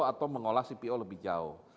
atau mengolah cpo lebih jauh